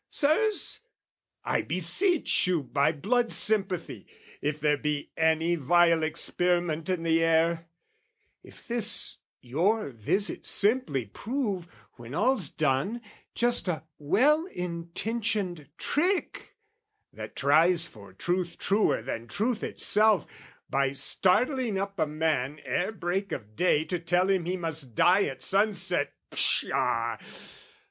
Sirs, I beseech you by blood sympathy, If there be any vile experiment In the air, if this your visit simply prove, When all's done, just a well intentioned trick, That tries for truth truer than truth itself, By startling up a man, ere break of day, To tell him he must die at sunset, pshaw!